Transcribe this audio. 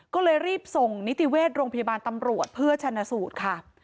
ก็เลยรีบส่งนิติเวชโรงพยาบาลตำรวจเพื่อชนะสูตรค่ะ